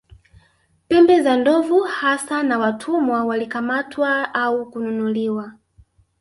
Pembe za ndovu hasa na Watumwa walikamatwa au kununuliwa